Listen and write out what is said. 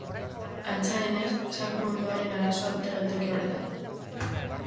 Antza denez, zaku-hondoaren arazoa dute geltoki horretan.